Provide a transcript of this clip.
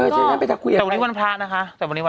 แต่วันนี้วันพระนะคะ